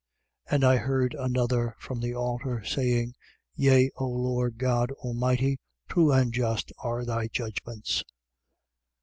16:7. And I heard another, from the altar, saying: Yea, O Lord God Almighty, true and just are thy judgments.